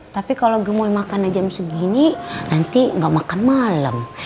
tapi kalo gemoy makan aja jam segini nanti gak makan malem